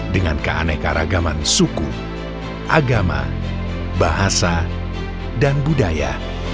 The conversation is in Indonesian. dengan keanekaragaman suku agama bahasa dan budaya